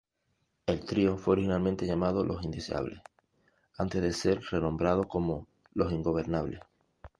El trío fue originalmente llamado Los Indeseables, antes de ser renombrado como Los Ingobernables.